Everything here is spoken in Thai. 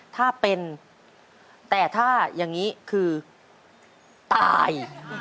ถ้าเป็นแต่ถ้าอย่างนี้คือตาย